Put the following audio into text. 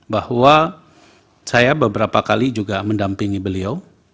bahwa saya beberapa kali juga mendampingi beliau